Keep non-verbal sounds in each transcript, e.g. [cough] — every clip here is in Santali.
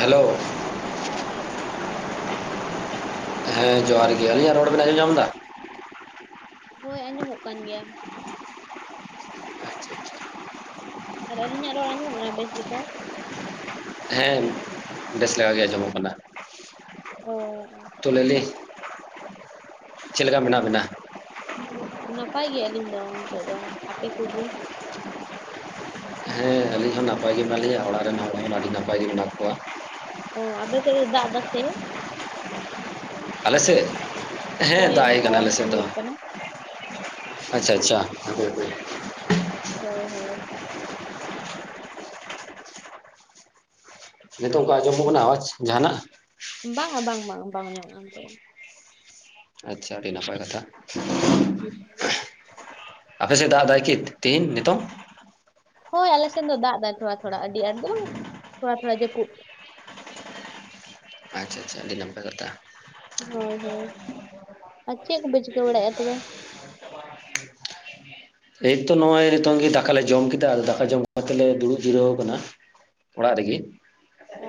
ᱦᱮᱞᱳ᱾ ᱦᱮᱸ ᱡᱚᱦᱟᱨ ᱜᱮ᱾ ᱦᱮᱸ ᱡᱚᱦᱟᱨ ᱜᱮ, ᱟᱹᱞᱤᱧᱟᱜ ᱨᱚᱲ ᱵᱮᱱ ᱟᱸᱡᱚᱢ ᱧᱟᱢᱟ ᱮᱫᱟ? ᱦᱳᱭ ᱟᱸᱡᱚᱢᱚᱜ ᱠᱟᱱ ᱜᱮᱭᱟ᱾ ᱟᱨ ᱟᱹᱞᱤᱧᱟᱜ ᱨᱚᱲ ᱟᱸᱡᱚᱢᱚᱜ ᱠᱟᱱᱟ ᱵᱮᱥ ᱞᱮᱠᱟ? ᱦᱮᱸ ᱵᱮᱥ ᱞᱮᱠᱟ ᱜᱮ ᱟᱸᱡᱚᱢᱚᱜ ᱠᱟᱱᱟ ᱚ ᱛᱚ ᱞᱟᱭᱞᱤᱱ ᱪᱮᱫᱞᱮᱠᱟ ᱢᱮᱱᱟᱜ ᱵᱤᱱᱟ? ᱱᱟᱯᱟᱭ ᱜᱮ ᱟᱹᱞᱤᱧ ᱫᱚ ᱱᱤᱛᱚᱜ ᱫᱚ, ᱟᱯᱮ ᱠᱚᱜᱮ? ᱦᱮᱸ ᱟᱹᱞᱤᱧ ᱦᱚᱸ ᱱᱟᱯᱟᱭ ᱜᱮ ᱢᱮᱱᱟᱜ ᱞᱤᱧᱟᱹ᱾ ᱚᱲᱟᱜ ᱨᱮᱱ ᱦᱚᱲ ᱦᱚᱸ ᱟᱹᱰᱤ ᱱᱟᱯᱟᱭ ᱜᱮ ᱢᱮᱱᱟᱜ ᱠᱚᱣᱟ᱾ ᱦᱚ ᱟᱯᱮ ᱥᱮᱫ ᱫᱚ ᱫᱟᱜ ᱫᱟᱥᱮ? ᱟᱞᱮ ᱥᱮᱫ ᱦᱳᱭ ᱦᱮᱸ ᱚᱱᱟ ᱫᱟᱜ ᱮ ᱠᱟᱱᱟ ᱟᱣᱟᱡ ᱟᱞᱮ ᱥᱮᱫ ᱫᱚ᱾ ᱟᱸᱡᱚᱢᱚᱜ ᱠᱟᱱᱟ ᱟᱪᱪᱷᱟ ᱟᱪᱪᱷᱟ᱾ ᱦᱳᱭ ᱦᱳᱭ᱾ ᱱᱤᱛᱚᱜ ᱚᱱᱠᱟ ᱟᱸᱡᱚᱢᱚᱜ ᱠᱟᱱᱟ ᱟᱣᱟᱡᱽ ᱡᱟᱦᱟᱱᱟᱜ? ᱵᱟᱝᱟ ᱵᱟᱝ ᱵᱟᱝ ᱵᱟᱝ ᱟᱹᱡᱚᱢᱚᱜ ᱱᱤᱛᱚᱜ ᱫᱚ᱾ ᱟᱪᱪᱷᱟ ᱟᱹᱰᱤ ᱱᱟᱯᱟᱭ ᱠᱟᱛᱷᱟ᱾ ᱟᱯᱮ ᱥᱮᱜ ᱫᱟᱜ ᱫᱟᱭ ᱠᱤ ᱛᱮᱦᱮᱧ ᱱᱤᱛᱚᱜ? ᱦᱳᱭ ᱟᱞᱮ ᱥᱮᱫ ᱫᱚ ᱫᱟᱜ ᱫᱟᱭ ᱛᱷᱚᱲᱟ ᱛᱷᱚᱲᱟ ᱟᱹᱰᱤ ᱟᱸᱴ ᱫᱚ ᱵᱟᱝ ᱛᱷᱚᱲᱟ ᱛᱷᱚᱲᱟ ᱡᱟᱹᱯᱩᱫ᱾ ᱟᱪᱪᱷᱟ ᱟᱪᱪᱷᱟ ᱟᱹᱰᱤ ᱱᱟᱯᱟᱭ ᱠᱟᱛᱷᱟ᱾ ᱦᱳᱭ ᱦᱳᱭ ᱟᱨ ᱪᱮᱫ ᱠᱚᱯᱮ ᱪᱤᱠᱟᱹ ᱵᱟᱲᱟᱭᱮᱫᱼᱟ ᱛᱚᱵᱮ? [inaudible] ᱮᱭ ᱛᱚ ᱱᱚᱜᱼᱚᱭ ᱱᱤᱛᱚᱝ ᱜᱮ ᱫᱟᱠᱟᱞᱮ ᱡᱚᱢ ᱠᱮᱫᱟ ᱫᱟᱠᱟ ᱡᱚᱢ ᱠᱟᱛᱮ ᱞᱮ ᱫᱩᱲᱩᱵ ᱡᱤᱨᱟᱹᱣ ᱟᱠᱟᱱᱟ᱾ ᱚᱲᱟᱜ ᱨᱤᱜᱤ᱾ ᱚ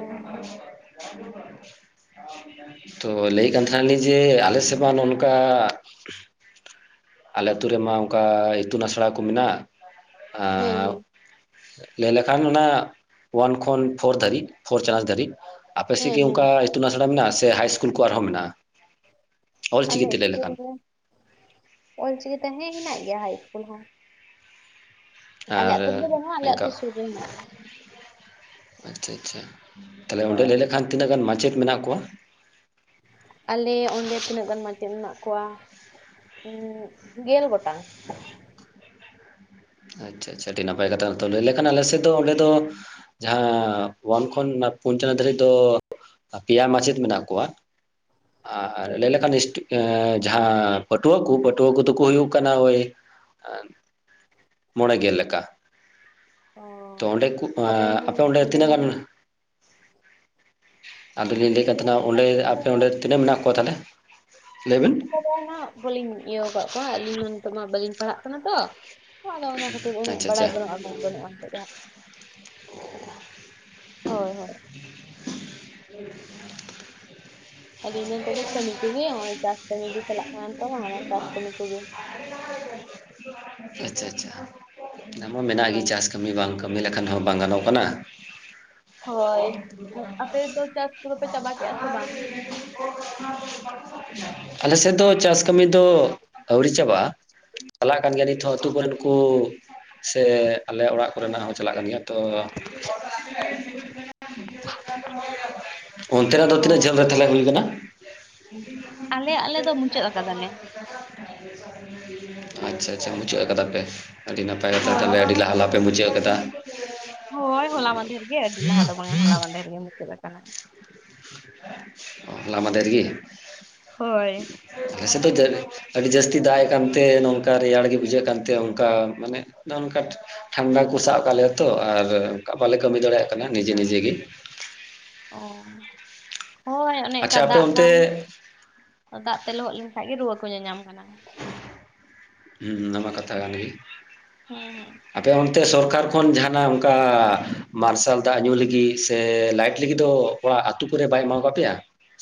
ᱛᱚ ᱞᱟᱹᱭᱮᱫ ᱠᱟᱱ ᱛᱟᱦᱮᱞᱤᱧ ᱡᱮ ᱟᱞᱮ ᱥᱮᱫ ᱢᱟ ᱱᱚᱜ-ᱚ ᱱᱚᱝᱠᱟ ᱟᱞᱮ ᱟᱛᱩ ᱨᱮᱢᱟ ᱚᱱᱠᱟ ᱤᱛᱩᱱ ᱟᱥᱲᱟ ᱠᱚ ᱢᱮᱱᱟᱜ, ᱦᱮᱸ ᱟᱨ ᱦᱮᱸ ᱞᱮᱭ ᱞᱮᱠᱟᱱ ᱚᱱᱟ ᱳᱣᱟᱱ ᱠᱷᱚᱱ ᱯᱷᱳᱨ ᱫᱷᱟᱹᱵᱤᱡᱽ ᱯᱷᱳᱨ ᱪᱟᱱᱟᱪ ᱫᱷᱟᱹᱵᱤᱡᱽ᱾ ᱟᱯᱮ ᱥᱮᱫ ᱦᱮᱸ ᱜᱤ ᱦᱮᱸ ᱚᱱᱠᱟ ᱤᱛᱩᱱ ᱟᱥᱲᱟ ᱢᱮᱱᱟᱜᱼᱟ ᱥᱮ ᱦᱟᱭ ᱤᱥᱠᱩᱞ ᱠᱚ ᱟᱨᱦᱚᱸ ᱢᱮᱱᱟᱜᱼᱟ? ᱟᱞᱮ ᱚᱞᱪᱤᱠᱤᱛᱮ ᱞᱟᱹᱭ ᱤᱥᱠᱩᱞ ᱞᱮᱠᱷᱟᱱ ᱨᱮ ᱚᱞᱪᱤᱠᱤᱛᱮ ᱦᱮᱸ ᱦᱮᱱᱟᱜ ᱜᱮᱭᱟ ᱦᱟᱭ ᱤᱥᱠᱩᱞ ᱦᱚᱸ᱾ ᱟᱞᱮ ᱟᱨ ᱟᱹᱛᱩ ᱨᱮᱫᱚ ᱵᱟᱹᱱᱩᱜᱼᱟ ᱟᱞᱮ ᱱᱤᱝᱠᱟ, ᱟᱹᱛᱩ ᱥᱩᱨ ᱨᱮ ᱦᱮᱱᱟᱜᱼᱟ ᱟᱪᱪᱷᱟ ᱟᱪᱪᱷᱟ᱾ ᱛᱟᱦᱚᱞᱮ ᱚᱸᱰᱮ ᱦᱳᱭ ᱞᱟᱹᱭ ᱞᱮᱠᱷᱟᱱ ᱛᱤᱱᱟᱹᱜ ᱜᱟᱱ ᱢᱟᱪᱮᱫ ᱢᱮᱱᱟᱜ ᱠᱚᱣᱟ? ᱟᱞᱮ ᱚᱸᱰᱮ ᱛᱤᱱᱟᱹᱜ ᱜᱟᱱ ᱢᱟᱪᱮᱫ ᱢᱮᱱᱟᱜ ᱠᱚᱣᱟ ᱩᱸ ᱜᱮᱞ ᱜᱚᱴᱟᱝ᱾ ᱟᱪᱪᱷᱟ ᱟᱪᱪᱷᱟ ᱟᱹᱰᱤ ᱱᱟᱯᱟᱭ ᱠᱟᱛᱷᱟ ᱛᱚ ᱞᱟᱹᱭ ᱞᱮᱠᱷᱟᱱ ᱟᱞᱮ ᱥᱮᱫ ᱫᱚ ᱚᱸᱰᱮ ᱫᱚ ᱡᱟᱦᱟᱸ ᱚᱣᱟᱱ ᱠᱷᱚᱱ [unintelligible] ᱫᱷᱟᱹᱨᱤᱡ ᱫᱚ ᱯᱮᱭᱟ ᱢᱟᱪᱮᱫ ᱢᱮᱱᱟᱜ ᱠᱚᱣᱟ ᱟᱨ ᱞᱟᱹᱭ ᱞᱮᱠᱷᱟᱱ ᱦᱤᱥ ᱮᱸ ᱡᱟᱦᱟᱸ ᱯᱟᱹᱴᱷᱩᱣᱟᱹ ᱠᱚ ᱯᱟᱹᱴᱷᱩᱣᱟᱹ ᱠᱚᱫᱚ ᱠᱚ ᱦᱩᱭᱩᱜ ᱠᱟᱱᱟ ᱳᱭ ᱢᱚᱬᱮ ᱜᱮᱞ ᱞᱮᱠᱟ᱾ ᱛᱚ ᱚ ᱚᱸᱰᱮ ᱠᱩ ᱮᱸ ᱛᱚᱵᱮ ᱢᱟ ᱟᱯᱮ ᱚᱸᱰᱮ ᱛᱤᱱᱟᱹᱜ ᱢᱟ ᱜᱟᱱ ᱟᱫᱚ ᱞᱤᱧ ᱞᱟᱹᱭᱮᱫ ᱟᱞᱮ ᱛᱟᱦᱮᱱᱟ ᱚᱸᱰᱮ ᱟᱯᱮ ᱚᱸᱰᱮ ᱛᱤᱱᱟᱹᱜ ᱢᱮᱱᱟᱜ ᱠᱚᱣᱟ ᱛᱟᱦᱞᱮ? ᱞᱟᱹᱭ ᱵᱮᱱ᱾ [inaudible] ᱵᱟᱹᱞᱤᱧ ᱤᱭᱟᱹ ᱟᱠᱟᱜ ᱠᱚᱣᱟ ᱟᱹᱞᱤᱧ ᱱᱤᱛᱚᱜ ᱢᱟ ᱵᱟᱹᱞᱤᱧ ᱯᱟᱲᱦᱟᱜ ᱠᱟᱱᱟ ᱛᱚ᱾ ᱟᱫᱚ ᱚᱱᱟ ᱠᱷᱟᱹᱛᱤᱨ ᱩᱱᱟᱹᱜ ᱟᱪᱪᱷᱟ ᱵᱟᱲᱟᱭ ᱟᱪᱪᱷᱟ ᱵᱟᱹᱱᱩᱜ-ᱟ [inaudible] ᱵᱟᱱᱩᱜ-ᱟ ᱱᱤᱛᱚᱜ ᱫᱚ᱾ ᱦᱳᱭ ᱦᱳᱭ᱾ ᱟᱹᱞᱤᱧ ᱫᱚ ᱱᱤᱛᱚᱜ ᱫᱚ ᱠᱟᱹᱢᱤ ᱠᱚᱜᱮ ᱦᱚᱸᱜᱼᱚᱭ ᱚᱭ ᱪᱟᱥ ᱠᱟᱹᱢᱤ ᱜᱮ ᱪᱟᱞᱟᱜ ᱠᱟᱱᱟ ᱱᱤᱛᱚᱜ ᱢᱟ ᱚᱱᱟ ᱪᱟᱥ ᱠᱟᱹᱢᱤ ᱠᱚᱜᱮ᱾ ᱟᱪᱪᱷᱟ ᱟᱪᱪᱷᱟ ᱚᱱᱟ ᱢᱟ ᱢᱮᱱᱟᱜ ᱜᱮ ᱦᱳᱭ ᱪᱟᱥ ᱠᱟᱹᱢᱤ ᱵᱟᱝ ᱠᱟᱹᱢᱤ ᱞᱮᱠᱷᱟᱱ ᱦᱚᱸ ᱵᱟᱝ ᱜᱟᱱᱚᱜ ᱠᱟᱱᱟ᱾ ᱦᱳᱭ ᱟᱯᱮ ᱫᱚ ᱪᱟᱥ ᱠᱚᱫᱚ ᱯᱮ ᱪᱟᱵᱟ ᱠᱮᱫᱼᱟ ᱥᱮ ᱵᱟᱝ? ᱟᱞᱮ ᱥᱮᱫ ᱫᱚ ᱪᱟᱥ ᱠᱟᱹᱢᱤ ᱫᱚ ᱟᱹᱣᱨᱤ ᱪᱟᱵᱟᱜᱼᱟ᱾ ᱪᱟᱞᱟᱜ ᱠᱟᱱ ᱜᱮᱭᱟ ᱱᱤᱛ ᱦᱚᱸ ᱟᱹᱛᱩ ᱠᱚᱨᱮᱜ ᱠᱩ᱾ ᱥᱮ ᱟᱞᱮ ᱚᱲᱟᱜ ᱠᱚᱨᱮᱱᱟᱜ ᱦᱚᱸ ᱪᱟᱞᱟᱜ ᱠᱟᱱ ᱜᱮᱭᱟ ᱛᱚ ᱚᱱᱛᱮᱱᱟᱜ ᱫᱚ ᱚ ᱛᱤᱱᱟᱹᱜ ᱡᱷᱟᱹᱞ ᱨᱮ ᱛᱟᱞᱦᱮ ᱦᱩᱭ ᱠᱟᱱᱟ? ᱟᱞᱮ ᱟᱞᱮ ᱫᱚ ᱢᱩᱪᱟᱹᱫ ᱟᱠᱟᱫᱟᱞᱮ᱾ ᱟᱪᱪᱷᱟ᱾ ᱪᱷᱟ ᱢᱩᱪᱟᱹᱫ ᱠᱟᱫᱟ ᱯᱮ, ᱟᱹᱰᱤ ᱱᱟᱯᱟᱭ ᱠᱟᱛᱷᱟ ᱦᱳᱭ ᱛᱟᱞᱦᱮ ᱢᱩᱪᱟᱹᱫ ᱟᱹᱰᱤ ᱞᱟᱦᱟ ᱟᱠᱟᱫᱟ ᱞᱟᱦᱟᱯᱮ ᱢᱩᱪᱟᱹᱫ ᱠᱟᱫᱟ᱾ ᱦᱳᱭ ᱦᱚᱞᱟ ᱢᱟᱫᱷᱮᱨ ᱜᱮ ᱟᱹᱰᱤ ᱞᱟᱦᱟ ᱫᱚ ᱵᱟᱝᱟ ᱦᱚᱞᱟ ᱢᱟᱫᱷᱮᱨ ᱜᱮ ᱢᱩᱪᱟᱹᱫ ᱟᱠᱟᱱᱟ᱾ ᱚ ᱦᱚᱞᱟ ᱢᱟᱫᱷᱮᱨ ᱜᱤᱻ ᱦᱳᱭ᱾ ᱟᱞᱮ ᱥᱮᱫ ᱫᱚ ᱡᱟ ᱟᱹᱰᱤ ᱡᱟᱹᱥᱛᱤ ᱫᱟᱜ ᱮᱫ ᱠᱟᱱᱛᱮ ᱱᱚᱝᱠᱟ ᱨᱮᱭᱟᱲ ᱜᱮ ᱵᱩᱡᱷᱟᱹᱜ ᱠᱟᱱᱛᱮ ᱚᱱᱠᱟ ᱢᱟᱱᱮ ᱱᱚᱜ-ᱚ ᱱᱚᱝᱠᱟ ᱴᱷᱟᱱᱰᱟ ᱠᱚ ᱥᱟᱵ ᱠᱟᱜ ᱞᱮᱭᱟ ᱛᱚ ᱟᱨ ᱚᱱᱠᱟ ᱵᱟᱞᱮ ᱠᱟᱹᱢᱤ ᱫᱟᱲᱮᱭᱟᱜ ᱠᱟᱱᱟ ᱱᱤᱡᱮ ᱱᱤᱡᱮ ᱜᱮ᱾ ᱚᱸ᱾ ᱦᱳᱭ ᱚᱱᱮ ᱮᱱᱠᱟ ᱟᱪᱪᱷᱟ ᱟᱯᱮ ᱫᱟᱜ ᱚᱱᱛᱮ ᱫᱟᱢ ᱫᱟᱜ ᱛᱮ ᱞᱚᱦᱚᱫ ᱞᱮᱱᱠᱷᱟᱡ ᱜᱮ ᱨᱩᱣᱟᱹ ᱠᱚ ᱧᱟᱧᱟᱢ ᱠᱟᱱᱟ᱾ ᱩᱸ ᱚᱱᱟ ᱢᱟ ᱠᱟᱛᱷᱟ ᱠᱟᱱ ᱜᱮ᱾ ᱦᱮᱸ ᱦᱮᱸ᱾ ᱟᱯᱮ ᱚᱱᱛᱮ ᱥᱚᱨᱠᱟᱨ ᱠᱷᱚᱱ ᱡᱟᱦᱟᱱᱟᱜ ᱚᱱᱠᱟ ᱢᱟᱨᱥᱟᱞ ᱫᱟᱜ ᱧᱩ ᱞᱟᱹᱜᱤᱫ ᱥᱮ ᱞᱟᱭᱤᱴ ᱞᱟᱹᱜᱤᱫ ᱫᱚ ᱚᱲᱟᱜ ᱟᱹᱛᱩ ᱠᱚᱨᱮ ᱵᱟᱭ ᱮᱢᱟᱣ ᱠᱟᱜ ᱯᱮᱭᱟ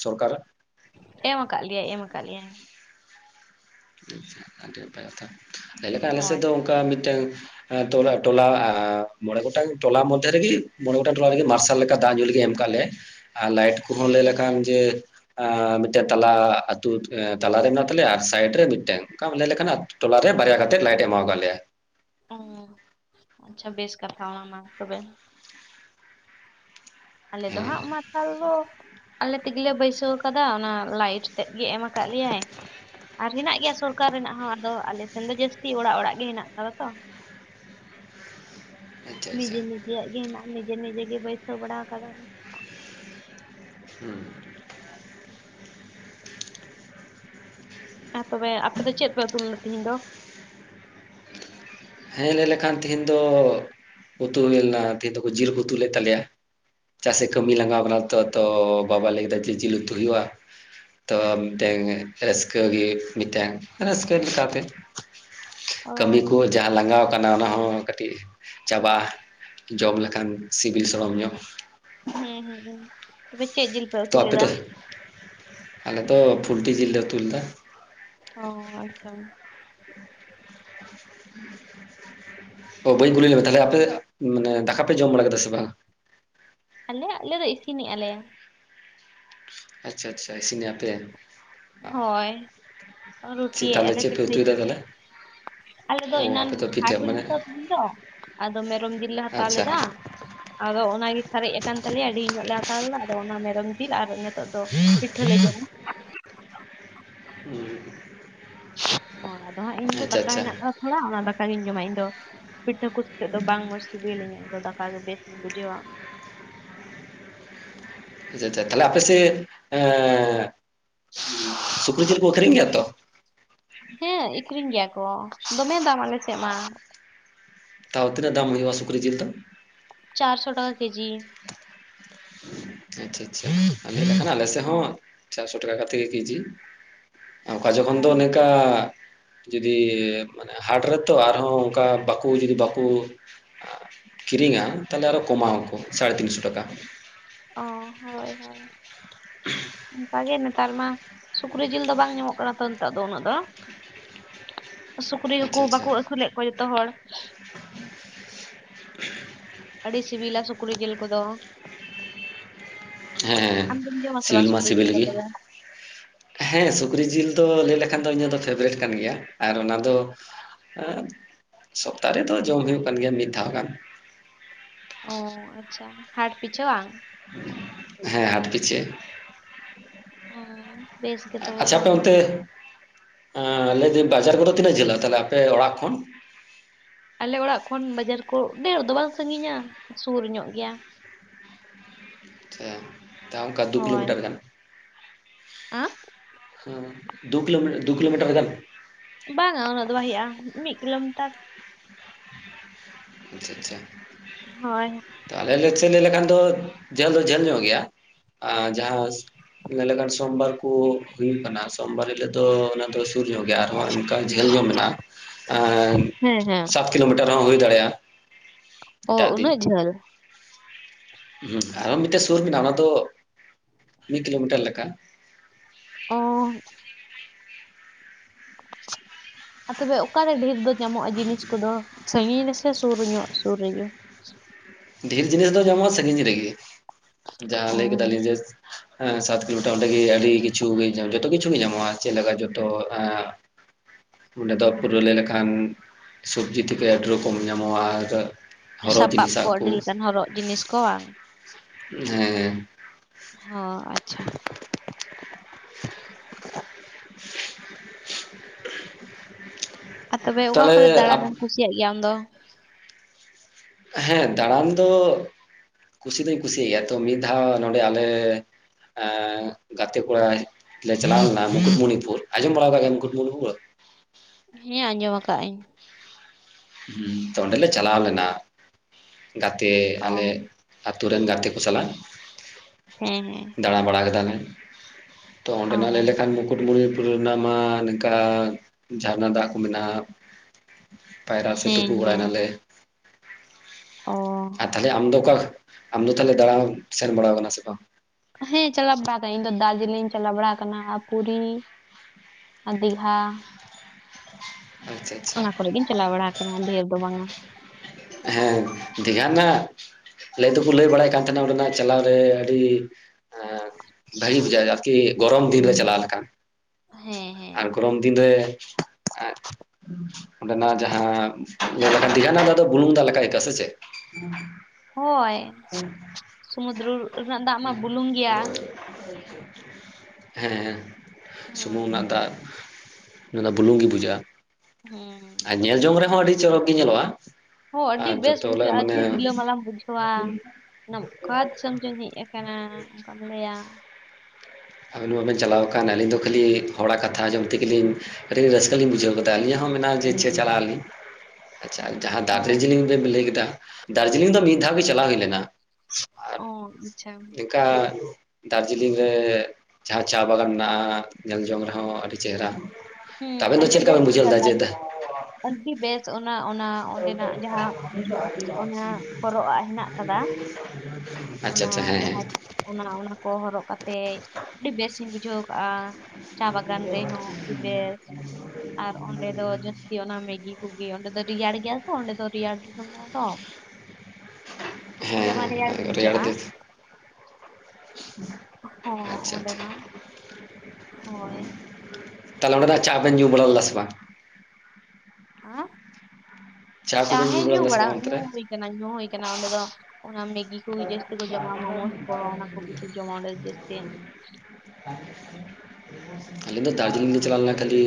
ᱥᱚᱨᱠᱟᱨ ᱮᱢ ᱠᱟᱜ ᱞᱮᱭᱟ ᱮᱢ ᱠᱟᱜ ᱞᱮᱭᱟᱭ᱾ ᱟᱪᱪᱷᱟ ᱟᱰᱤ ᱱᱟᱯᱟᱭ ᱠᱟᱛᱷᱟ ᱢᱮᱠᱷᱟᱱ ᱟᱞᱮ ᱥᱮᱫ ᱦᱳᱭ ᱫᱚ ᱚᱱᱠᱟ ᱢᱤᱫᱴᱟᱝ ᱮᱸ ᱴᱚᱞᱟ ᱢᱚᱬᱮ ᱜᱚᱴᱟᱝ ᱴᱚᱞᱟ ᱢᱚᱫᱽᱫᱷᱮ ᱨᱮᱜᱮ ᱢᱚᱬᱮ ᱜᱚᱴᱟᱝ ᱴᱚᱞᱟ ᱨᱮᱜᱮ ᱢᱟᱨᱥᱟᱞ ᱞᱮᱠᱟ ᱫᱟᱜ ᱧᱩ ᱞᱟᱜᱤ ᱾ ᱠᱟᱞᱮᱭᱟᱭ ᱟᱨ ᱞᱟᱭᱤᱴ ᱩᱱᱠᱩ ᱦᱚᱸ ᱞᱟᱹᱭ ᱞᱮᱠᱷᱟᱱ ᱡᱮ ᱢᱤᱫᱴᱮᱜ ᱛᱟᱞᱟ ᱟᱛᱩ ᱛᱟᱞᱟᱨᱮ ᱢᱮᱱᱟᱜ ᱛᱟᱞᱮᱭᱟ ᱟᱨ ᱥᱟᱭᱤᱰ ᱨᱮ ᱢᱤᱫᱴᱮᱝ ᱚᱱᱠᱟ ᱮᱢ ᱞᱟᱹᱭ ᱞᱮᱠᱷᱟᱱ ᱴᱚᱞᱟ ᱨᱮ ᱵᱟᱨᱭᱟ ᱠᱟᱛᱮᱫ ᱞᱟᱭᱤᱴ ᱮ ᱮᱢᱟᱣ ᱟᱠᱟᱫ ᱞᱮᱭᱟ᱾ ᱚ ᱟᱪᱪᱷᱟ ᱵᱮᱥ ᱠᱟᱛᱷᱟ ᱚᱱᱟ ᱢᱟ ᱛᱚᱵᱮ ᱾ ᱟᱞᱮ ᱫᱚ ᱦᱮᱸ ᱦᱟᱸᱜ ᱢᱟ ᱟᱞᱚ ᱟᱞᱮ ᱛᱮᱜᱮᱞᱮ ᱵᱟᱹᱭᱥᱟᱹᱣ ᱠᱟᱫᱟ ᱚᱱᱟ ᱞᱟᱭᱤᱴ ᱛᱮᱫ ᱜᱮ ᱮᱢ ᱠᱟᱜ ᱞᱮᱭᱟᱭ᱾ ᱟᱨ ᱦᱮᱱᱟᱜ ᱜᱮᱭᱟ ᱥᱚᱨᱠᱟᱨ ᱨᱮᱱᱟᱜ ᱦᱚᱸ ᱟᱫᱚ ᱟᱞᱮ ᱥᱮᱱ ᱫᱚ ᱡᱟᱹᱥᱛᱤ ᱚᱲᱟᱜ ᱚᱲᱟᱜ ᱜᱮ ᱦᱮᱱᱟᱜ ᱟᱠᱟᱫᱟ ᱛᱚ ᱾ [unintelligible] ᱟᱪᱪᱷᱟ ᱱᱤᱡᱮ ᱱᱤᱡᱮᱭᱟᱜ ᱜᱮ ᱦᱮᱱᱟᱜᱼᱟ ᱱᱤᱡᱮ ᱱᱤᱡᱮ ᱜᱮ ᱵᱟᱹᱭᱥᱟᱹᱣ ᱵᱟᱲᱟ ᱠᱟᱫᱟ ᱞᱮ ᱾ [unintelligible] ᱟᱨ ᱛᱚᱵᱮ ᱟᱯᱮ ᱫᱚ ᱪᱮᱫ ᱯᱮ ᱩᱫ ᱞᱮᱫᱟ ᱛᱤᱦᱤᱧ ᱫᱚ? ᱦᱮᱸ ᱞᱟᱹᱭ ᱞᱮᱠᱷᱟᱱ ᱛᱤᱦᱤᱧ ᱫᱚ ᱩᱛᱩ ᱦᱩᱭ ᱞᱮᱱᱟ ᱛᱤᱦᱤᱧ ᱫᱚᱠᱚ ᱡᱤᱞ ᱠᱚ ᱩᱛᱩ ᱞᱮᱫ ᱛᱟᱞᱮᱭᱟ᱾ ᱪᱮᱫᱟ ᱥᱮ ᱠᱟᱹᱢᱤ ᱞᱟᱸᱜᱟᱣ ᱠᱟᱱᱟ ᱛᱚ ᱛᱚ ᱵᱟᱵᱟ ᱞᱟᱹᱭ ᱠᱮᱫᱟ ᱡᱮ ᱡᱤᱞ ᱩᱛᱩ ᱦᱩᱭᱩᱜᱼᱟ᱾ ᱛᱚ ᱢᱤᱫᱴᱮᱱ ᱨᱟᱹᱥᱠᱟ ᱜᱮ ᱢᱤᱫᱴᱮᱱ ᱨᱟᱹᱥᱠᱟᱹ ᱞᱮᱠᱟᱛᱮ ᱚ ᱠᱟᱹᱢᱤ ᱠᱚ ᱡᱟᱦᱟᱸ ᱞᱟᱸᱜᱟᱣ ᱠᱟᱱᱟ ᱚᱱᱟ ᱦᱚᱸ ᱠᱟᱹᱴᱤᱡ ᱪᱟᱵᱟᱜᱼᱟ ᱡᱚᱢ ᱞᱮᱠᱷᱟᱱ᱾ ᱥᱤᱵᱤᱞ ᱥᱚᱲᱚᱢ ᱧᱚᱜ ᱾ ᱦᱩᱸ ᱦᱩᱸ ᱦᱩᱸ ᱛᱚᱵᱮ ᱪᱮᱫ ᱡᱮᱞ ᱯᱮ ᱛᱚ ᱩᱛᱩ ᱟᱯᱮ ᱞᱮᱫᱟ? ᱫᱚ ᱟᱞᱮ ᱫᱚ ᱯᱩᱞᱴᱤ ᱡᱤᱞ ᱞᱮ ᱩᱛᱩ ᱞᱮᱫᱟ ᱾ ᱚ ᱟᱪᱪᱷᱟ ᱾ ᱚ ᱵᱟᱹᱧ ᱠᱩᱞᱤ ᱞᱮᱢᱮᱭᱟ ᱛᱟᱦᱚᱞᱮ ᱟᱯᱮ ᱢᱟᱱᱮ ᱫᱟᱠᱟ ᱯᱮ ᱡᱚᱢ ᱵᱟᱲᱟ ᱠᱮᱫᱟ ᱥᱮ ᱵᱟᱝ? ᱟᱞᱮ ᱟᱞᱮ ᱞᱮ ᱤᱥᱤᱱᱮᱜ ᱟᱞᱮ ᱾ ᱟᱪᱪᱷᱟ ᱟᱪᱪᱷᱟ ᱤᱥᱤᱱᱮ ᱟᱯᱮ ᱾ ᱦᱳᱭ ᱨᱩᱴᱤᱭᱮᱜ ᱛᱟᱦᱚᱞᱮ ᱟᱞᱮ ᱪᱮᱫ ᱯᱮ ᱯᱤᱴᱷᱟᱹᱭᱮᱜ ᱩᱛᱩᱭᱮᱫᱟ ᱟᱞᱮ ᱛᱟᱦᱚᱞᱮ ᱾ ᱟᱞᱮ ᱫᱚ ᱚ ᱮᱱᱟᱱ ᱟᱯᱮ ᱦᱟᱴ ᱯᱤᱴᱷᱟᱹ ᱢᱟᱱᱮ ᱦᱩᱭᱱᱟᱛᱚ ᱛᱤᱦᱤᱧ ᱫᱚ ᱟᱫᱚ ᱢᱮᱨᱚᱢ ᱡᱤᱞ ᱞᱮ ᱦᱟᱛᱟᱣ ᱟᱪᱪᱷᱟ ᱞᱮᱫᱟ᱾ ᱟᱫᱚ ᱚᱱᱟᱜᱮ ᱥᱟᱨᱮᱡ ᱟᱠᱟᱱ ᱛᱟᱞᱮᱭᱟ ᱟᱹᱰᱤ ᱧᱚᱜ ᱞᱮ ᱦᱟᱛᱟᱣ ᱞᱮᱫᱟ ᱟᱫᱚ ᱚᱱᱟ ᱢᱮᱨᱚᱢ ᱡᱤᱞ ᱟᱨ ᱱᱤᱛᱚᱜ ᱫᱚ ᱯᱤᱴᱷᱟᱹ ᱞᱮ ᱡᱚᱢᱟ᱾ [unintelligible] ᱦᱳᱭ ᱟᱫᱚ ᱦᱟᱸᱜ ᱤᱧᱫᱚ ᱟᱪᱪᱷᱟ ᱟᱪᱪᱷᱟ ᱫᱟᱠᱟ ᱟᱪᱪᱷᱟ ᱦᱮᱱᱟᱜ ᱠᱟᱫᱟ ᱛᱷᱚᱲᱟ ᱚᱱᱟ ᱫᱟᱠᱟ ᱜᱤᱧ ᱡᱚᱢᱟ ᱤᱧᱫᱚ᱾ ᱯᱤᱴᱟ ᱠᱚ ᱥᱟᱛᱮᱜ ᱫᱚ ᱵᱟᱝ ᱢᱚᱸᱡᱽ ᱥᱤᱵᱤᱞᱤᱧᱟᱹ ᱤᱧᱫᱚ ᱫᱟᱠᱟ ᱜᱮ ᱵᱮᱥᱤᱧ ᱵᱩᱡᱷᱟᱹᱣᱟ ᱾ ᱟᱪᱪᱷᱟ ᱟᱪᱪᱷᱟ ᱛᱟᱦᱚᱞᱮ ᱟᱯᱮ ᱥᱮᱫ ᱮᱸ ᱥᱩᱠᱨᱤ ᱡᱤᱞ ᱠᱚ ᱟᱹᱠᱷᱨᱤᱧ ᱜᱮᱭᱟ ᱛᱚ᱾ ᱦᱮᱸ ᱮᱠᱷᱨᱤᱧ ᱜᱮᱭᱟ ᱠᱚ ᱫᱚᱢᱮ ᱫᱟᱢ ᱟᱞᱮ ᱪᱮᱜ ᱢᱟ᱾ ᱛᱟᱣ ᱛᱤᱱᱟᱹᱜ ᱫᱟᱢ ᱦᱩᱭᱩᱜᱼᱟ ᱥᱩᱠᱨᱤ ᱡᱤᱞ ᱫᱚ? ᱪᱟᱨᱥᱚ ᱴᱟᱠᱟ ᱠᱮᱡᱤ ᱾ ᱟᱪᱪᱷᱟ ᱟᱪᱪᱷᱟ ᱟᱞᱮ ᱥᱮᱫ ᱚ ᱦᱚᱸ ᱪᱟᱨᱥᱚ ᱴᱟᱠᱟ ᱠᱟᱛᱮ ᱜᱮ ᱠᱮᱡᱤ᱾ ᱚᱠᱟ ᱡᱚᱠᱷᱚᱱ ᱫᱚ ᱚ ᱱᱮᱠᱟ ᱡᱩᱫᱤ ᱢᱟᱱᱮ ᱦᱟᱴ ᱨᱮᱛᱚ ᱟᱨᱦᱚᱸ ᱚᱱᱠᱟ ᱵᱟᱠᱚ ᱡᱚᱫᱤ ᱵᱟᱠᱚ ᱠᱤᱨᱤᱧᱟ ᱛᱟᱦᱚᱞᱮ ᱟᱨᱦᱚᱸ ᱠᱚᱢᱟᱣ ᱟᱠᱚ ᱥᱟᱲᱮ ᱛᱤᱱᱥᱚ ᱴᱟᱠᱟ᱾ ᱚ ᱦᱳᱭ ᱦᱳᱭ ᱾ [unintelligible] ᱚᱱᱠᱟᱜᱮ ᱱᱮᱛᱟᱨ ᱢᱟ ᱥᱩᱠᱨᱤ ᱡᱤᱞ ᱫᱚ ᱵᱟᱝ ᱧᱟᱢᱚᱜ ᱠᱟᱱᱟ ᱛᱚ ᱱᱤᱛᱚᱜ ᱫᱚ ᱩᱱᱟᱹᱜ ᱫᱚ ᱥᱩᱠᱨᱤ ᱫᱩᱠᱩ ᱟᱪᱪᱷᱟ ᱟᱪᱪᱷᱟ ᱵᱟᱠᱩ ᱦᱮᱸ ᱟᱥᱩᱞᱮᱫ ᱠᱚᱣᱟ ᱡᱚᱛᱚ ᱦᱚᱲ᱾ [inaudible] ᱟᱹᱰᱤ ᱥᱤᱵᱤᱞᱟ ᱥᱩᱠᱨᱤ ᱡᱤᱞ ᱠᱚᱫᱚ ᱾ ᱦᱮᱸ ᱟᱢᱫᱚᱢ ᱡᱚᱢᱟ ᱥᱮ ᱵᱟᱝ ᱥᱤᱵᱤᱞ ᱢᱟ ᱥᱩᱠᱨᱤ ᱡᱤᱞ ᱥᱤᱵᱤᱞ ᱜᱮ ᱠᱚᱫᱚ? ᱦᱮᱸ ᱥᱩᱠᱨᱤ ᱡᱤᱞ ᱫᱚ ᱞᱟᱹᱭ ᱞᱮᱠᱷᱟᱱ ᱫᱚ ᱤᱧᱟᱹᱜ ᱫᱚ ᱯᱷᱮᱵᱟᱨᱴ ᱠᱟᱱ ᱜᱮᱭᱟ ᱟᱨ ᱚᱱᱟ ᱫᱚ ᱟ ᱥᱚᱯᱛᱟ ᱨᱮᱫᱚ ᱡᱚᱢ ᱦᱩᱭᱩᱜ ᱠᱟᱱ ᱜᱮᱭᱟ ᱢᱤᱫ ᱫᱷᱟᱣ ᱜᱟᱱ ᱾ ᱚ ᱟᱪᱪᱷᱟ ᱦᱟᱴ ᱯᱤᱪᱷᱟᱹ ᱵᱟᱝ? [inaudible] ᱦᱮᱸ ᱦᱟᱴ ᱯᱤᱪᱷᱟᱹ᱾ ᱚ ᱵᱮᱥ ᱜᱮ ᱛᱚᱵᱮ ᱠᱷᱟᱱ ᱢᱟ ᱾ ᱮᱸ ᱞᱟᱹᱭ ᱫᱟᱹᱧ ᱵᱟᱡᱟᱨ ᱠᱚᱫᱚ ᱛᱤᱱᱟᱹᱜ ᱡᱷᱟᱹᱞᱟ ᱛᱟᱦᱞᱮ ᱟᱯᱮ ᱚᱲᱟᱜ ᱠᱷᱚᱱ? ᱟᱞᱮ ᱚᱲᱟᱜ ᱠᱷᱚᱱ ᱵᱟᱡᱟᱨ ᱠᱚ ᱰᱷᱮᱨ ᱫᱚ ᱵᱟᱝ ᱥᱟᱺᱜᱤᱧᱟ, ᱥᱩᱨ ᱧᱚᱜ ᱜᱮᱭᱟ᱾ [inaudible] ᱛᱟᱣ ᱚᱝᱠᱟ ᱫᱩ ᱦᱳᱭ ᱠᱤᱞᱳᱢᱤᱴᱟᱨ ᱜᱟᱱ? [inaudible] [inaudible] ᱫᱩ ᱠᱤᱞᱳᱢᱤ ᱫᱩ ᱠᱤᱞᱳᱢᱤᱴᱟᱨ ᱜᱟᱱ ᱾ ᱵᱟᱝᱟ ᱩᱱᱟᱹᱜ ᱫᱚ ᱵᱟᱭ ᱦᱩᱭᱩᱜᱼᱟ, ᱢᱤᱫ ᱠᱤᱞᱳᱢᱤᱴᱟᱨ ᱾ ᱟᱪᱪᱷᱟ ᱟᱪᱪᱷᱟ ᱦᱳᱭ ᱾ ᱟᱞᱮ ᱞᱮ ᱪᱮ ᱞᱟᱹᱭ ᱞᱮᱠᱷᱟᱱ ᱫᱚ ᱡᱷᱟᱹᱞ ᱫᱚ ᱡᱷᱟᱹᱞ ᱧᱚᱜ ᱜᱮᱭᱟ [inaudible] ᱡᱟᱦᱟᱸᱥ ᱞᱮᱞᱮ ᱠᱟᱱ ᱥᱚᱢᱵᱟᱨ ᱠᱩ ᱦᱩᱭᱩᱜ ᱠᱟᱱᱟ ᱥᱚᱢᱵᱟᱨ ᱦᱤᱞᱳᱜ ᱫᱚ ᱚᱱᱟ ᱫᱚ ᱥᱩᱨ ᱧᱚᱜ ᱜᱮᱭᱟ, ᱟᱨᱦᱚᱸ ᱚᱝᱠᱟ ᱡᱷᱟᱹᱞ ᱧᱚᱜ ᱢᱮᱱᱟᱜᱼᱟ ᱟᱨ ᱦᱮᱸ ᱦᱮᱸ, ᱥᱟᱛ ᱠᱤᱞᱳᱢᱤᱴᱟᱨ ᱦᱚᱸ ᱦᱩᱭ ᱫᱟᱲᱮᱜᱼᱟ ᱾ ᱚ ᱩᱱᱟᱹᱜ ᱡᱷᱟᱹᱞ? ᱦᱩᱸ ᱟᱨᱚ ᱢᱤᱫᱴᱮᱱ ᱥᱩᱨ ᱢᱮᱱᱟᱜᱼᱟ ᱚᱱᱟ ᱫᱚ ᱢᱤᱫ ᱠᱤᱞᱳᱢᱤᱴᱟᱨ ᱞᱮᱠᱟ᱾ ᱚᱻ ᱟ ᱛᱚᱵᱮ ᱚᱠᱟᱨᱮ ᱰᱷᱤᱨ ᱫᱚ ᱧᱟᱢᱚᱜᱼᱟ ᱡᱤᱱᱤᱥ ᱠᱚᱫᱚ ᱥᱟᱺᱜᱤᱧ ᱨᱮᱥ ᱥᱮ ᱥᱩᱨ ᱧᱚᱜ ᱥᱩᱨ ᱨᱮᱜᱮ? ᱰᱷᱤᱨ ᱡᱤᱱᱤᱥ ᱫᱚ ᱧᱟᱢᱚᱜᱼᱟ ᱥᱟᱺᱜᱤᱧ ᱨᱮᱜᱮ, ᱡᱟᱦᱟᱸ ᱞᱟᱹᱭ ᱩᱸ ᱠᱮᱫᱟᱞᱤᱧ ᱡᱮ ᱮᱸ ᱥᱟᱛ ᱠᱤᱞᱳᱢᱤᱴᱟᱨ ᱚᱸᱰᱮ ᱜᱮ ᱟᱹᱰᱤ ᱠᱤᱪᱷᱩ ᱜᱮ, ᱡᱷᱚᱛᱚ ᱠᱤᱪᱷᱩ ᱜᱮ ᱧᱟᱢᱚᱜᱼᱟ ᱪᱮᱜ ᱞᱮᱠᱟ ᱡᱚᱛᱚ [inaudible] ᱚᱸᱰᱮ ᱫᱚ ᱯᱩᱨᱟᱹ ᱞᱟᱹᱭ ᱞᱮᱠᱷᱟᱱ, ᱥᱚᱵᱽᱡᱤ ᱛᱷᱮᱠᱮ ᱟᱹᱰᱤ ᱨᱚᱠᱚᱢ ᱧᱟᱢᱚᱜᱼᱟ [inaudible] ᱥᱟᱯᱟᱵ ᱠᱚ ᱟᱹᱰᱤ ᱞᱮᱠᱟᱱ ᱦᱚᱨᱚᱜ ᱡᱤᱱᱤᱥ ᱠᱚ ᱵᱟᱝ? [inaudible] ᱦᱮᱸᱻ ᱦᱚ ᱟᱪᱪᱷᱟ ᱾ [inaudible] ᱟᱨ ᱛᱚᱵᱮ ᱚᱠᱟ ᱛᱟᱦᱚᱞᱮ ᱠᱚᱨᱮ ᱫᱟᱬᱟᱱᱮᱢ ᱠᱩᱥᱤᱭᱟᱜ ᱜᱮᱭᱟ ᱟᱢ ᱫᱚ? ᱦᱮᱸ ᱫᱟᱬᱟᱱ ᱫᱚ ᱠᱩᱥᱤ ᱫᱚᱧ ᱠᱩᱥᱤᱭᱟᱜ-ᱟ, ᱛᱚ ᱢᱤᱜ ᱫᱷᱟ ᱱᱚᱰᱮ ᱟᱞᱮ ᱮᱸ ᱜᱟᱛᱮ ᱠᱚᱲᱟ ᱞᱮ ᱪᱟᱞᱟᱣ ᱞᱮᱱᱟ ᱢᱩᱠᱩᱴᱢᱩᱱᱤᱯᱩᱨ, ᱟᱸᱡᱚᱢ ᱵᱟᱲᱟᱣ ᱠᱟᱜ ᱜᱮᱭᱟᱢ ᱢᱩᱠᱩᱴᱢᱩᱱᱤᱯᱩᱨ? ᱦᱮᱸ ᱟᱸᱡᱚᱢ ᱟᱠᱟᱜ ᱟᱹᱧ ᱾ ᱦᱩᱸ ᱛᱚ ᱚᱸᱰᱮ ᱞᱮ ᱪᱟᱞᱟᱣ ᱞᱮᱱᱟ, ᱜᱟᱛᱮ ᱚ ᱟᱞᱮ ᱟᱹᱛᱩ ᱨᱮᱱ ᱜᱟᱛᱮ ᱠᱚ ᱥᱟᱞᱟᱜ᱾ ᱦᱮᱸ ᱦᱮᱸ᱾ ᱫᱟᱬᱟᱵᱟᱲᱟ ᱠᱮᱫᱟᱞᱮ ᱾ ᱛᱚ ᱚ ᱚᱸᱰᱮᱱᱟᱜ ᱞᱟᱹᱭ ᱞᱮᱠᱷᱟᱱ ᱢᱩᱠᱩᱴᱢᱩᱱᱤᱯᱩᱨ ᱨᱮᱱᱟᱜ ᱢᱟ ᱱᱮᱝᱠᱟ ᱡᱷᱟᱨᱱᱟ ᱫᱟᱜ ᱠᱚ ᱢᱮᱱᱟᱜ-ᱟ᱾ ᱯᱟᱭᱨᱟ ᱥᱮ ᱦᱮᱸ ᱛᱩᱯᱩ ᱵᱟᱲᱟᱭᱮᱱᱟᱞᱮ᱾ ᱚᱻ ᱛᱟᱦᱞᱮ ᱟᱢ ᱫᱚ ᱚᱠᱟ ᱟᱢᱫᱚ ᱛᱟᱦᱞᱮ ᱫᱟᱲᱟᱱ ᱥᱮᱱ ᱵᱟᱲᱟᱣ ᱟᱠᱟᱱᱟ ᱥᱮ ᱵᱟᱝ? ᱦᱮᱸ ᱪᱟᱞᱟᱣ ᱵᱟᱲᱟ ᱟᱠᱟᱱᱟ ᱤᱧ ᱫᱚ ᱫᱟᱨᱡᱤᱞᱤᱝ ᱤᱧ ᱪᱟᱞᱟᱣ ᱵᱟᱲᱟ ᱟᱠᱟᱱᱟ ᱟᱨ ᱯᱩᱨᱤᱼᱼ ᱟᱨ ᱫᱤᱜᱷᱟ ᱟᱪᱪᱷᱟ ᱟᱪᱪᱷᱟ ᱚᱱᱟ ᱠᱚᱨᱮ ᱜᱤᱧ ᱪᱟᱞᱟᱣ ᱵᱟᱲᱟ ᱟᱠᱟᱱᱟ ᱰᱷᱮᱨ ᱫᱚ ᱵᱟᱝᱟ᱾ ᱦᱮᱸ ᱛᱮᱦᱟᱱᱟᱜᱼᱟ [inaudible] ᱞᱟᱹᱭ ᱫᱚᱠᱚ ᱞᱟᱹᱭ ᱵᱟᱲᱟᱭ ᱠᱟᱱ ᱛᱟᱦᱮᱱᱟ ᱚᱸᱰᱮᱱᱟᱜ ᱪᱟᱞᱟᱣ ᱨᱮ ᱟᱹᱰᱤᱼᱼ ᱦᱮᱸ ᱵᱷᱟᱹᱜᱤ ᱵᱩᱡᱷᱟᱹᱣᱟ ᱡᱟᱭᱜᱟ ᱠᱤ ᱜᱚᱨᱚᱢ ᱫᱤᱱ ᱨᱮ ᱪᱟᱞᱟᱣ ᱞᱮᱠᱷᱟᱱ᱾ ᱦᱮᱸ ᱦᱮᱸ ᱟᱨ ᱜᱚᱨᱚᱢ ᱫᱤᱱ ᱨᱮᱼᱼ [unintelligible] ᱵᱩᱞᱩᱝ ᱫᱟᱜ ᱞᱮᱠᱟ ᱟᱭᱠᱟᱹᱣᱟ ᱥᱮ ᱪᱮᱫ, ᱦᱳᱭ ᱥᱩᱢᱩᱫᱨᱚ ᱨᱮᱱᱟᱜ ᱫᱟᱜ ᱢᱟ ᱵᱩᱞᱩᱝ ᱜᱮᱭᱟ ᱾ ᱦᱮᱸ ᱥᱩᱢᱩᱝ ᱦᱮᱸ ᱨᱮᱱᱟᱜ ᱫᱟᱜ ᱚᱱᱟ ᱫᱚ ᱵᱩᱞᱩᱝ ᱜᱮ ᱵᱩᱡᱷᱟᱹᱜᱼᱟ᱾ ᱦᱩᱸ᱾ ᱟᱨ ᱧᱮᱞ ᱡᱚᱝ ᱨᱮᱦᱚᱸ ᱟᱹᱰᱤ ᱪᱚᱨᱚᱠ ᱜᱮ ᱧᱮᱞᱚᱜᱼᱟ᱾ ᱦᱚᱸ ᱟᱹᱰᱤ ᱟᱨ ᱵᱮᱥ ᱡᱚᱛᱚ ᱵᱚᱞᱮ ᱵᱩᱡᱷᱟᱹᱜᱼᱟ ᱢᱟᱱᱮ ᱟᱹᱰᱤ ᱨᱤᱞᱟᱹᱢᱟᱞᱟᱢ ᱵᱩᱡᱷᱟᱹᱣᱟ ᱢᱮᱱᱟᱢ ᱚᱠᱟ ᱫᱤᱥᱚᱢ ᱪᱚᱧ ᱦᱮᱡ ᱟᱠᱟ ᱠᱟᱱᱟ ᱚᱝᱠᱟᱢ ᱞᱟᱹᱭᱟ᱾ ᱟᱵᱮᱱ ᱢᱟ ᱵᱮᱱ ᱪᱟᱞᱟᱣ ᱟᱠᱟᱱ ᱟᱹᱞᱤᱧ ᱫᱚ ᱠᱷᱟᱞᱤ ᱦᱚᱲᱟᱜ ᱠᱟᱛᱷᱟ ᱟᱸᱡᱚᱢ ᱛᱮᱜᱮᱞᱤᱧᱼᱼ ᱟᱹᱰᱤ ᱨᱟᱹᱥᱠᱟᱹ ᱞᱤᱧ ᱵᱩᱡᱷᱟᱹᱣ ᱠᱮᱫᱟ ᱟᱹᱞᱤᱧ ᱦᱚᱸ ᱢᱮᱱᱟᱜᱼᱟ ᱡᱮ ᱪᱟᱞᱟᱜ ᱟᱹᱞᱤᱧ᱾ ᱟᱪᱪᱷᱟ ᱡᱟᱦᱟᱸ ᱦᱚᱸ ᱫᱟᱨᱡᱤᱞᱤᱝ ᱵᱮᱢ ᱞᱟᱹᱭ ᱠᱮᱫᱟ ᱫᱟᱨᱡᱤᱞᱤᱝ ᱫᱚ ᱢᱤᱫ ᱫᱷᱟᱣ ᱜᱮ ᱪᱟᱞᱟᱣ ᱦᱩᱭ ᱞᱮᱱᱟ᱾ ᱚ ᱟᱪᱪᱷᱟ᱾ ᱠᱟ ᱫᱟᱨᱡᱤᱞᱤᱝ ᱨᱮ ᱡᱟᱦᱟᱸ ᱪᱟ ᱵᱟᱜᱟᱱ ᱢᱮᱱᱟᱜᱼᱟ᱾ ᱧᱮᱞ ᱡᱚᱝ ᱨᱮᱦᱚᱸ ᱟᱹᱰᱤ ᱪᱮᱦᱨᱟ ᱦᱩᱸ ᱛᱟ ᱟᱹᱵᱮᱱ ᱫᱚ ᱟᱹᱰᱤ ᱪᱮᱫ ᱞᱮᱠᱟ ᱵᱮᱥ ᱵᱮᱱ ᱵᱩᱡᱷᱟᱹᱣ ᱵᱩᱡᱷᱟᱹᱜᱼᱟ ᱞᱮᱫᱟ ᱫᱟᱨᱡ ᱡᱮᱫ ᱟᱹᱰᱤ ᱵᱮᱥ ᱚᱱᱟ ᱚᱱᱟ ᱚᱸᱰᱮᱱᱟᱜ ᱡᱟᱦᱟᱸ ᱚᱱᱟ ᱦᱚᱨᱚᱜᱼᱟᱜ ᱦᱮᱱᱟᱜ ᱟᱠᱟᱫᱟ [unintelligible] ᱟᱪᱪᱷᱟ ᱚᱱᱟ ᱟᱪᱪᱷᱟ ᱦᱮᱸ ᱦᱮᱸ᱾ ᱡᱟᱦᱟᱸ ᱚᱱᱟ ᱚᱱᱟ ᱠᱚ ᱦᱚᱨᱚᱜ ᱠᱟᱛᱮᱜ ᱟᱹᱰᱤ ᱵᱮᱥ ᱤᱧ ᱵᱩᱡᱷᱟᱹᱣ ᱠᱟᱫᱼᱟ ᱪᱟ ᱵᱟᱜᱟᱱ ᱨᱮᱦᱚᱸ᱾ ᱟᱹᱰᱤ ᱵᱮᱥ ᱟᱨ ᱚᱸᱰᱮ ᱫᱚ ᱡᱟᱹᱥᱛᱤ ᱚᱱᱟ ᱢᱮᱜᱤ ᱠᱚᱜᱮ ᱚᱸᱰᱮ ᱫᱚ ᱨᱮᱭᱟᱲ ᱜᱮᱭᱟ ᱛᱚ ᱚᱸᱰᱮ ᱫᱚ ᱨᱮᱭᱟᱲ ᱫᱤᱥᱚᱢ ᱠᱟᱱᱟ ᱛᱚ᱾ [unintelligible] ᱦᱮᱸ ᱚᱸᱰᱮ ᱢᱟ ᱨᱮᱭᱟᱲ ᱜᱮ ᱦᱮᱸ ᱵᱩᱡᱷᱟᱹᱜᱼᱟ᱾ ᱛᱮ ᱦᱚᱸ ᱟᱪᱪᱷᱟ ᱚᱸᱰᱮ ᱟᱪᱪᱷᱟ ᱢᱟ ᱦᱚᱭ᱾ ᱛᱟᱦᱚᱞᱮ ᱚᱸᱰᱮᱱᱟᱜ ᱪᱟ ᱵᱮᱱ ᱧᱩ ᱵᱟᱲᱟ ᱞᱮᱫᱟ ᱥᱮ ᱵᱟᱝ? ᱟ ᱪᱟ ᱠᱚᱵᱮᱱ ᱦᱮᱸ ᱧᱩ ᱞᱮᱫᱟ ᱥᱮ ᱵᱟᱲᱟ ᱵᱟᱝ ᱚᱱᱛᱮ ᱧᱩ ᱨᱮ ᱦᱩᱭ ᱟᱠᱟᱱ, ᱮᱛᱮ ᱱᱟ ᱧᱩ ᱦᱩᱭ ᱟᱠᱟᱱᱟ ᱚᱸᱰᱮ ᱫᱚ ᱚᱱᱟ ᱢᱤᱥ [inaudible] ᱤᱧ ᱦᱚ ᱡᱟᱹᱥᱛᱤ ᱠᱚ ᱡᱚᱢᱟ ᱢᱳᱢᱳᱡᱽ ᱠᱚ ᱚᱱᱟ ᱠᱚᱜᱮ ᱠᱚ ᱡᱚᱢᱟ ᱚᱸᱰᱮ ᱡᱟᱹᱥᱛᱤ᱾ [unintelligible] ᱟᱹᱞᱤᱧ ᱫᱚ ᱫᱟᱨᱡᱤᱞᱤᱝ ᱞᱤᱧ ᱪᱟᱞᱟᱣ ᱞᱮᱱᱟ ᱠᱷᱟᱹᱞᱤ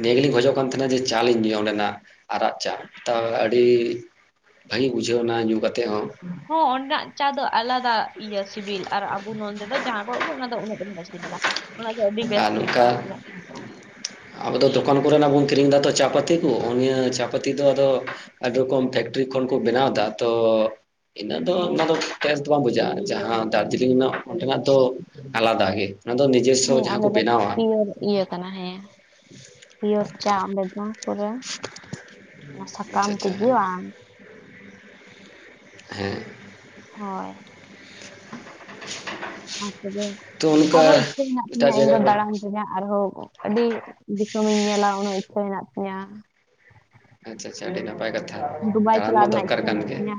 ᱱᱤᱭᱟᱹ ᱜᱮᱞᱤᱧ ᱠᱷᱚᱡᱚᱜ ᱠᱟᱱ ᱛᱟᱦᱮᱱᱟ ᱡᱮ ᱪᱟ ᱞᱤᱧ ᱧᱩᱭᱟ ᱚᱸᱰᱮᱱᱟᱜ᱾ ᱟᱨᱟᱜ ᱪᱟ ᱛᱟᱣ ᱟᱹᱰᱤ ᱵᱷᱟᱹᱜᱮ ᱵᱩᱡᱷᱟᱹᱣ ᱮᱱᱟ ᱧᱩ ᱠᱟᱛᱮᱫ ᱦᱚᱸ᱾ ᱦᱚᱸ ᱚᱸᱰᱮᱱᱟᱜ ᱪᱟ ᱫᱚ ᱟᱞᱟᱫᱟᱼᱼ ᱤᱭᱟᱹ ᱥᱤᱵᱤᱞ ᱟᱨ ᱟᱵᱚ ᱱᱚᱰᱮ ᱫᱚ ᱡᱟᱦᱟᱸ ᱠᱚᱜ ᱚᱱᱟ ᱫᱚ ᱩᱱᱟᱹᱜ ᱫᱚ ᱵᱟᱭ ᱥᱤᱵᱤᱞᱟ᱾ ᱚᱱᱟ ᱫᱚ ᱟᱹᱰᱤ ᱵᱮᱥ ᱟᱨ ᱱᱚᱝᱠᱟ ᱵᱩᱡᱷᱟᱹᱜᱼᱟ ᱾ ᱟᱵᱚ ᱫᱚ ᱫᱚᱠᱟᱱᱼᱼ ᱠᱚᱨᱮᱱᱟᱜ ᱜᱚᱝᱠᱮ ᱠᱤᱨᱤᱧ ᱮᱫᱟ ᱛᱚ ᱪᱟᱯᱟᱹᱛᱤ ᱠᱚ ᱱᱤᱭᱟᱹ ᱪᱟᱯᱟᱹᱛᱤ ᱫᱚ ᱟᱫᱚ ᱟᱹᱰᱤ ᱨᱚᱠᱚᱢ ᱛᱮᱼᱼ ᱨᱤ ᱠᱷᱚᱱ ᱠᱚ ᱵᱮᱱᱟᱣ ᱮᱫᱟ ᱛᱚ ᱤᱱᱟᱹᱜ ᱫᱚ ᱦᱮᱸ ᱚᱱᱟ ᱫᱚ ᱵᱮᱥ ᱫᱚ ᱵᱟᱝ ᱵᱩᱡᱷᱟᱹᱜᱼᱟ᱾ ᱡᱟᱦᱟᱸ ᱫᱟᱨᱡᱤᱞᱤᱝ ᱨᱮᱱᱟᱜ ᱚᱱᱛᱮᱱᱟᱜ ᱫᱚ ᱟᱞᱟᱫᱟ ᱜᱮ᱾ ᱚᱱᱟ ᱫᱚ ᱱᱤᱡᱮᱥᱥᱚ ᱦᱮᱸ ᱡᱟᱦᱟᱸ ᱠᱚ ᱚᱸᱰᱮ ᱫᱚ ᱵᱮᱱᱟᱣᱟ ᱯᱤᱭᱳᱨ ᱤᱭᱟᱹ ᱠᱟᱱᱟ ᱦᱮᱸ᱾ ᱯᱤᱭᱚᱨ ᱪᱟ ᱚᱸᱰᱮ ᱫᱚ ᱯᱩᱨᱟᱹ ᱚᱱᱟ ᱥᱟᱠᱟᱢ ᱟᱪᱪᱷᱟ ᱟᱪᱪᱷᱟ ᱛᱮᱜᱮ ᱦᱮᱸ ᱵᱟᱝ? ᱦᱮᱸ ᱾ ᱦᱳᱭ ᱾ ᱟᱨ ᱛᱚᱵᱮ ᱛᱚ ᱚᱱᱠᱟ ᱟᱨᱦᱚᱸ ᱤᱪᱪᱷᱟᱹ ᱦᱮᱱᱟᱜ ᱮᱴᱟᱜ ᱛᱤᱧᱟᱹ ᱤᱧ ᱡᱟᱭᱜᱟ ᱫᱚ ᱠᱚᱨᱮ ᱫᱟᱬᱟᱱ ᱨᱮᱭᱟᱜ ᱟᱨᱦᱚᱸ ᱾ ᱟᱹᱰᱤ ᱫᱤᱥᱚᱢᱤᱧ ᱧᱮᱞᱟ ᱩᱱᱟᱹᱜ ᱤᱪᱪᱷᱟᱹ ᱦᱮ ᱛᱤᱧᱟᱹ ᱾ ᱟᱪᱪᱷᱟ ᱟᱪᱪᱷᱟ ᱟᱹᱰᱤ ᱱᱟᱯᱟᱭ ᱠᱟᱛᱷᱟ ᱫᱩᱵᱟᱭ ᱫᱟᱬᱟᱱ ᱢᱟ ᱪᱟᱞᱟᱜ ᱨᱮᱱᱟᱜ ᱫᱚᱨᱠᱟᱨ ᱤᱪᱪᱷᱟᱹ ᱠᱟᱱ ᱦᱮᱱᱟᱜ ᱜᱮ ᱛᱤᱧᱟᱹ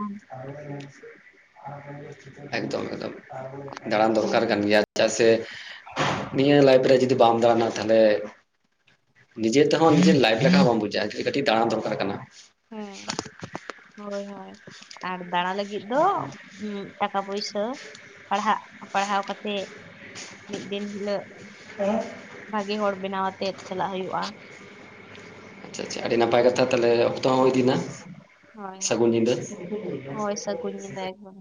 ᱾ ᱮᱠᱫᱚᱢ ᱮᱠᱫᱚᱢ ᱫᱟᱬᱟᱱ ᱫᱚᱨᱠᱟᱨ ᱦᱮᱸ ᱠᱟᱱ ᱜᱮᱭᱟ ᱾ ᱪᱮᱫᱟᱜ ᱥᱮ ᱱᱤᱭᱟᱹ ᱞᱟᱭᱤᱯᱷ ᱨᱮ ᱡᱩᱫᱤ ᱵᱟᱢ ᱫᱟᱲᱟᱱᱟ ᱛᱟᱦᱚᱞᱮ ᱱᱤᱡᱮ ᱛᱮᱦᱚᱸ ᱱᱤᱡᱮᱨ ᱞᱟᱭᱤᱯᱷ ᱞᱮᱠᱟ ᱵᱟᱢ ᱵᱩᱡᱟᱹᱜᱼᱟ ᱠᱟᱹᱴᱤᱡ ᱫᱟᱬᱟᱱ ᱫᱚᱨᱠᱟᱨ ᱠᱟᱱᱟ ᱾ ᱦᱩᱸ ᱦᱳᱭ ᱦᱳᱭ ᱟᱨ ᱫᱟᱬᱟ ᱞᱟᱹᱜᱤᱫ ᱫᱚ ᱴᱟᱠᱟ ᱯᱩᱭᱥᱟᱹ ᱯᱟᱲᱦᱟᱜ ᱯᱟᱲᱦᱟᱣ ᱠᱟᱛᱮᱜ ᱢᱤᱫ ᱫᱤᱱ ᱦᱤᱞᱳ [unintelligible] ᱵᱷᱟᱜᱮ ᱦᱚᱲ ᱵᱮᱱᱟᱣ ᱟᱛᱮᱫ ᱪᱟᱞᱟᱜ ᱦᱩᱭᱩᱜᱼᱟ ᱾ ᱟᱪᱪᱷᱟ ᱟᱪᱪᱷᱟ ᱟᱹᱰᱤ ᱱᱟᱯᱟᱭ ᱠᱟᱛᱷᱟ ᱛᱟᱦᱚᱞᱮ ᱚᱠᱛᱚ ᱦᱚᱸ ᱦᱩᱭ ᱤᱫᱤᱭᱱᱟ ᱾ ᱦᱳᱭ ᱦᱳᱭ ᱥᱟᱹᱜᱩᱱ ᱧᱤᱫᱚᱟᱹ ᱾ ᱦᱳᱭ ᱥᱟᱹᱜᱩᱱ ᱧᱤᱫᱟᱹ ᱮᱠᱫᱚᱢ